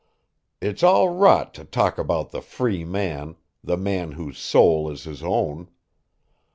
It's all rot to talk about the free man, the man whose soul is his own.